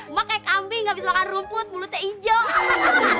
emak kayak kambing gak bisa makan rumput bulutnya hijau